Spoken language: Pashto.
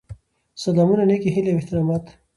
سلامونه نیکې هیلې او احترامات.